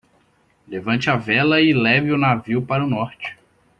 Levante a vela e leve o navio para o norte.